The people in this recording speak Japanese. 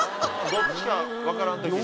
どっちかわからん時に。